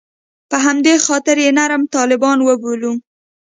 په همدې خاطر یې نرم طالبان وبولو.